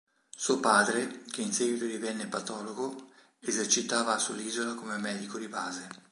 Suo padre, che in seguito divenne patologo, esercitava sull'isola come medico di base.